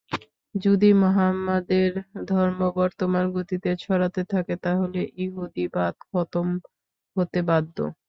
যদি মুহাম্মাদের ধর্ম বর্তমান গতিতে ছড়াতে থাকে তাহলে ইহুদীবাদ খতম হতে বাধ্য।